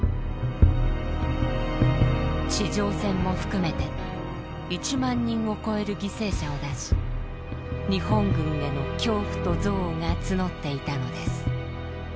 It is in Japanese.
地上戦も含めて１万人を超える犠牲者を出し日本軍への恐怖と憎悪が募っていたのです。